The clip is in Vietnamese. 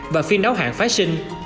và phiên đấu hạng fashion